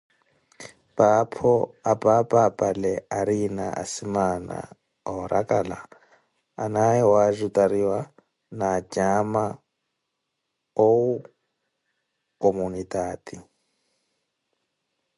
Paapho, apaapa apale ariina asimaana oorakala anaaye wajutariwa na acaama owu kumunitaati.